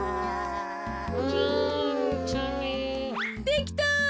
できた。